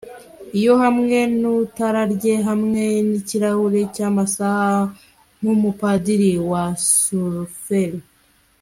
iyo, hamwe nu itara rye hamwe nikirahure cyamasaha, nkumupadiri wa sulferi